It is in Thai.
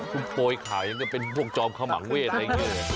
คุณโปรยขายังก็เป็นพวกจอมขมังเวศอะไรอย่างนี้